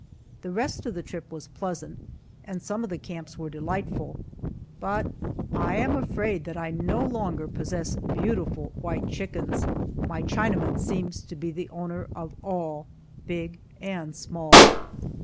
The rest of the trip was pleasant, and some of the camps were delightful, but I am afraid that I no longer possess beautiful white chickens my Chinaman seems to be the owner of all, big and small.